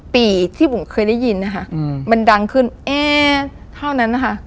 ปีที่บุ๋มเคยได้ยินมันดังขึ้นเท่านั้น